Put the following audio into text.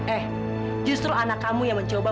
eh justru anak kamu yang mencoba